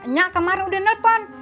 nya kemarin udah nelfon